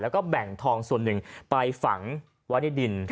แล้วก็แบ่งทองส่วนหนึ่งไปฝังไว้ในดิน